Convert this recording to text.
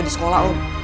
di sekolah om